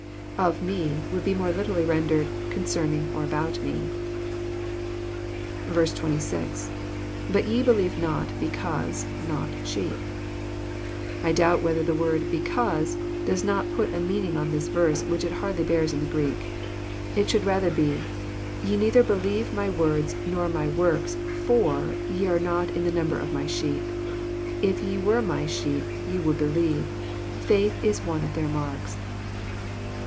" Of me," would be more literally rendered, " concerning or about me." S6. — IBut ye believe not, because.. .not...8heep.'} I doubt whether the word '' because " does not put a meaning on this verse which it hardly bears in the Greek. It should rather be, << Ye neither believe ray words nor my works, for ye are not in the number of my sheep. If ye were my sheep ye would believe : faith Is one of their marks."